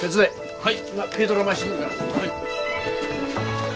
はい。